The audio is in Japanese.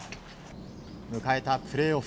迎えたプレーオフ。